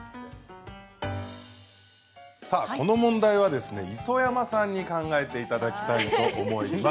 この問題は磯山さんに考えていただきたいと思います。